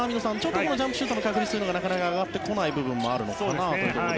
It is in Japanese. このジャンプシュートの確率がなかなか上がってこない部分もあるのかなと。